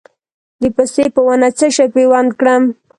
د پستې په ونه څه شی پیوند کړم؟